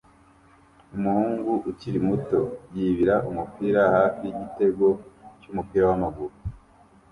Umuhungu ukiri muto yibira umupira hafi yigitego cyumupira wamaguru